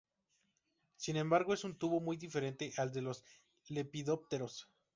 Sin embargo es un tubo muy diferente al de los lepidópteros.